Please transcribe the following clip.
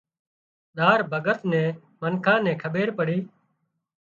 زار ڀڳت نِي منکان نين کٻيرپڙِي